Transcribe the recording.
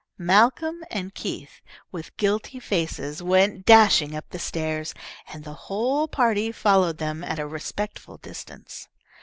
Malcolm and Keith, with guilty faces, went dashing up the stairs, and the whole party followed them at a respectful distance.